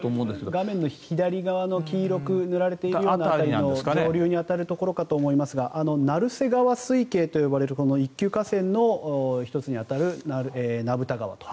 画面の左側の黄色く塗られている部分の上流に当たるかと思いますが鳴瀬川水系と呼ばれるこの一級河川の１つに当たる名蓋川と。